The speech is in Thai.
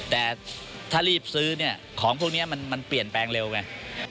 แต่ถ้ารีบซื้อเนี่ยของพวกนี้มันเปลี่ยนแปลงเร็วไง